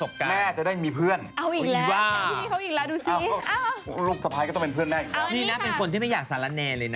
คุณต้องเล่นด้วยประสบการณ์